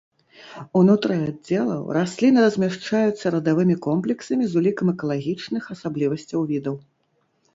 Унутры аддзелаў расліны размяшчаюцца радавымі комплексамі з улікам экалагічных асаблівасцяў відаў.